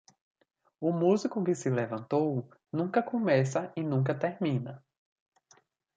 O músico que se levantou, nunca começa e nunca termina.